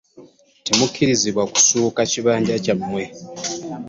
Temukkirizibwa kusukka kibanja kyammwe.